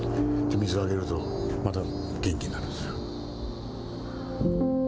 水をあげるとまた元気になるんですよ。